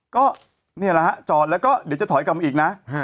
ก็เนี่ยนะจอดให้กับแล้วเดี๋ยวจะถอยกลับอีกนะ